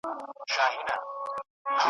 په انګلستان کي یو شهزاده دی ,